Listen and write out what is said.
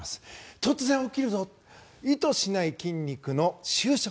突然起きるぞ意図しない筋肉の収縮。